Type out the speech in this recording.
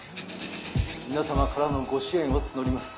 皆さまからのご支援を募ります。